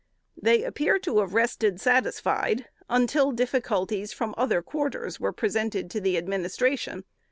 They appear to have rested satisfied until difficulties from other quarters were presented to the Administration.